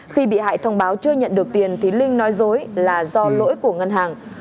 khi bị hại thông báo chưa nhận được tiền thì linh nói dối là do lỗi của ngân hàng